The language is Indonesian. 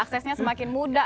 aksesnya semakin mudah